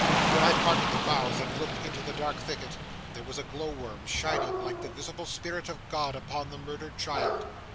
When I parted the boughs and looked into the dark thicket, there was a glow worm shining like the visible spirit of God upon the murdered child.